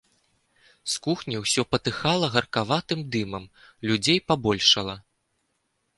З кухні ўсё патыхала гаркаватым дымам, людзей пабольшала.